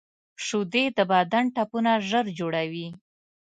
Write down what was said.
شیدې د بدن ټپونه ژر جوړوي